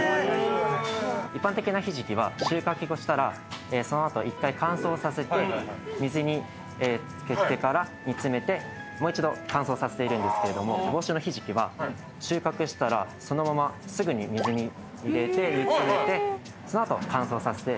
一般的なヒジキは収穫をしたらその後１回乾燥させて水に漬けてから煮詰めてもう一度乾燥させているんですけれども房州のヒジキは収穫したらそのまますぐに水に入れて煮詰めてその後乾燥させて。